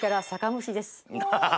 ハハハハ！